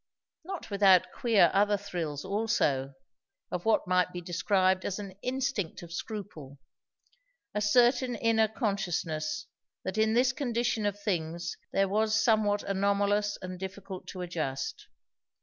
Not without queer other thrills also, of what might be described as an instinct of scruple; a certain inner consciousness that in this condition of things there was somewhat anomalous and difficult to adjust.